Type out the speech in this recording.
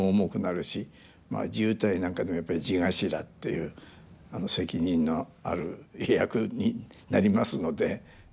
地謡なんかでもやっぱり地頭という責任のある役になりますので。